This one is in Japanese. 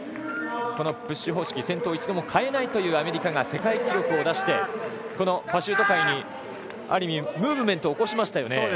このプッシュ方式先頭、一度も変えないというアメリカが世界記録を出してこのパシュート界にある意味ムーブメントを起こしましたよね。